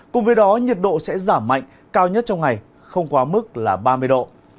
cùng với đó nhiệt độ sẽ giảm mạnh cao nhất trong ngày không quá mức là ba mươi độ